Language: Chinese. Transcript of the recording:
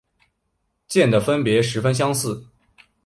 间的分别十分相似。